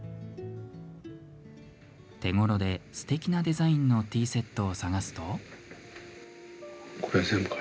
手ごろで、すてきなデザインのティーセットを探すと。